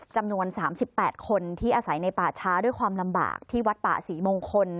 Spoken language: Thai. จำนวน๓๘คนที่อาศัยในป่าช้าด้วยความลำบากที่วัดป่าศรีมงคล